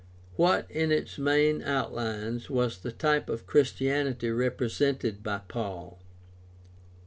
— What, in its main outlines, was the type of Christianity represented by Paul